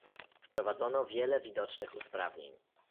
Wprowadzono wiele widocznych usprawnień